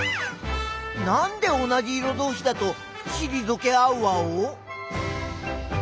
なんで同じ色どうしだとしりぞけ合うワオ？